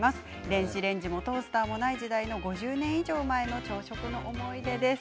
電子レンジやトースターもない時代５０年以上前の朝食の思い出です。